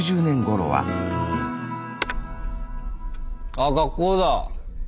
あ学校だ！